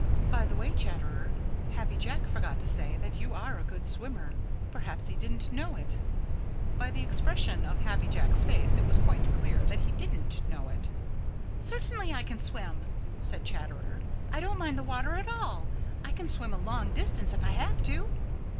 By the way, Chatterer, Happy Jack forgot to say that you are a good swimmer. Perhaps he didn't know it." By the expression of Happy Jack's face it was quite clear that he didn't know it. "Certainly I can swim," said Chatterer. "I don't mind the water at all. I can swim a long distance if I have to."